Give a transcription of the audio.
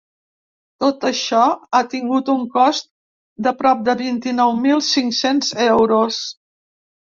Tot això ha tingut un cost de prop de vint-i-nou mil cinc-cents euros.